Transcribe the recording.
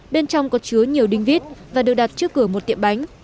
bên trong có chứa nhiều đinh vít và được đặt trước cửa một tiệm bánh